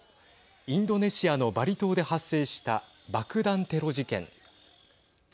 インドネシアのバリ島で発生した爆弾テロ事件。